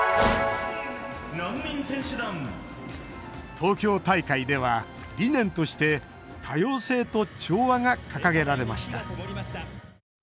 東京大会では理念として「多様性と調和」が掲げられました。